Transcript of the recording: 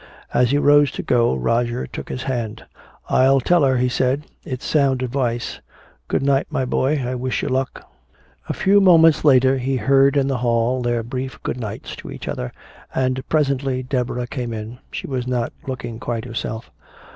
As he rose to go, Roger took his hand. "I'll tell her," he said. "It's sound advice. Good night, my boy, I wish you luck." A few moments later he heard in the hall their brief good nights to each other, and presently Deborah came in. She was not looking quite herself.